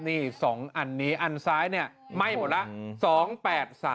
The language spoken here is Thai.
นี่๒อันนี้อันซ้ายเนี่ยไหม้หมดแล้ว